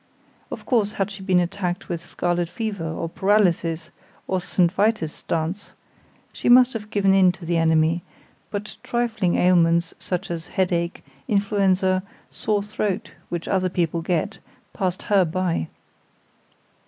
Of course, had she been attacked with scarlet fever, or paralysis, or St. Vitus' dance, she must have given in to the enemy; but trifling ailments, such as headache, influenza, sore throat, which other people get, passed her by.